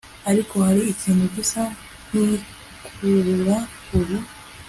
Ariko hari ikintu gisa nkikurura ubu